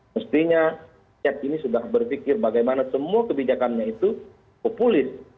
mestinya rakyat ini sudah berpikir bagaimana semua kebijakannya itu populis